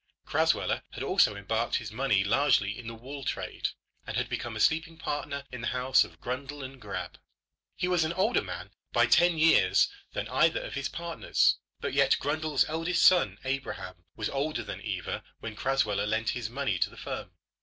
Crasweller had also embarked his money largely in the wool trade, and had become a sleeping partner in the house of Grundle & Grabbe. He was an older man by ten years than either of his partners, but yet Grundle's eldest son Abraham was older than Eva when Crasweller lent his money to the firm.